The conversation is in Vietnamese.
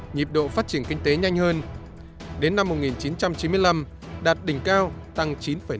nhịp độ phát triển kinh tế nhanh hơn đến năm một nghìn chín trăm chín mươi năm đạt đỉnh cao tăng chín năm